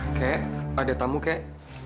oke ada tamu kek